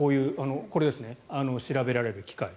これ、調べられる機械。